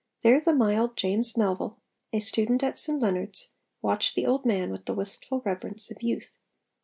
There the mild James Melville, a student at St Leonards, watched the old man with the wistful reverence of youth.